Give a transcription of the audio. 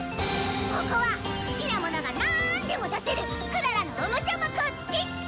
ここは好きなものがなんでも出せる「クララのおもちゃ箱」です！